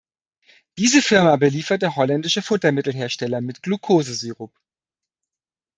Diese Firma belieferte holländische Futtermittelhersteller mit Glukosesirup.